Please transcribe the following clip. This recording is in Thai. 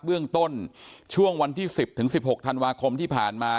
เบื้องต้นช่วงวันที่๑๐๑๖ธันวาคมที่ผ่านมา